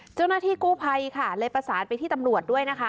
เจ้าหน้าที่กู้ภัยค่ะเลยประสานไปที่ตำรวจด้วยนะคะ